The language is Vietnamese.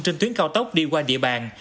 trên tuyến cao tốc đi qua địa bàn